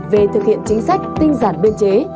và thực hiện chính sách tinh giản biên chế